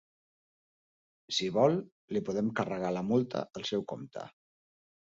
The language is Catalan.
Si vol, li podem carregar la multa al seu compte.